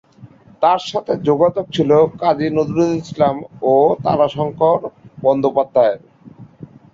তাঁর সাথে যোগাযোগ ছিল কাজি নজরুল ইসলাম ও তারাশঙ্কর বন্দ্যোপাধ্যায়ের।